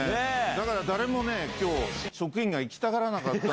だから、誰もきょう、職員が行きたがらなかった。